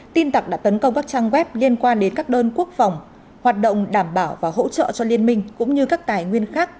tin tặc đã tấn công các trang web liên quan đến các đơn quốc phòng